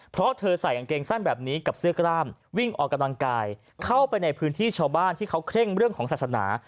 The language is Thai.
เพราะเธอใส่กางเกงสั้นแบบนี้กับเสื้อกล้ามวิ่งออกกำลังกายเข้าไปในพื้นที่ชาวบ้านที่เขาเคร่งเรื่องของศาสนา